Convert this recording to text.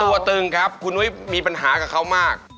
ตัวตึงครับคุณนุ้ยมีปัญหากับเขามาก